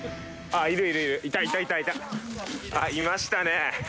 ああ、いましたね。